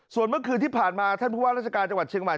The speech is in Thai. ส่วนเมื่อคืนที่ผ่านมาท่านผู้ว่าราชการจังหวัดเชียงใหม่